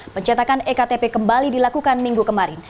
pencetakan ektp kembali dilakukan minggu kemarin